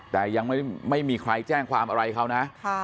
แต่ยังไม่มีใครแจ้งความอะไรเขานะ